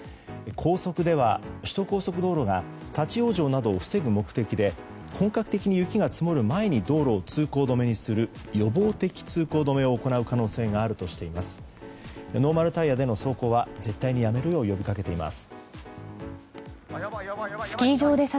高速では首都高速道路が立ち往生などを防ぐ目的で本格的に雪が積もる前に道路を通行止めにする予防的通行止めを行う可能性があるとしています。